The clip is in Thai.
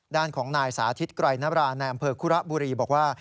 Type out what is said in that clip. ด้านของนายสาธิตไกรนบราในอำเภอคุระบุรีบอกว่า